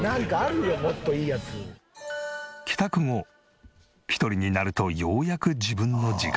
帰宅後一人になるとようやく自分の時間。